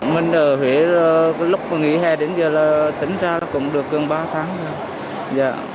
mình ở huế lúc nghỉ hè đến giờ là tính ra cũng được gần ba tháng rồi